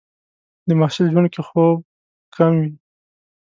د محصل ژوند کې خوب کم وي.